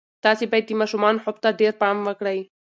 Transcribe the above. تاسې باید د ماشومانو خوب ته ډېر پام وکړئ.